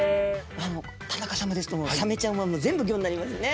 田中様ですともうサメちゃんは全部５になりますね。